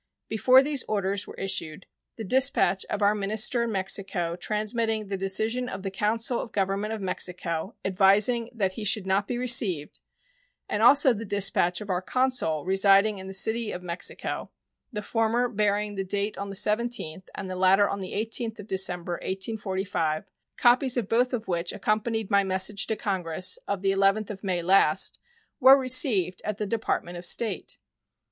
Before these orders were issued the dispatch of our minister in Mexico transmitting the decision of the council of government of Mexico advising that he should not be received, and also the dispatch of our consul residing in the City of Mexico, the former bearing date on the 17th and the latter on the 18th of December, 1845, copies of both of which accompanied my message to Congress of the 11th of May last, were received at the Department of State.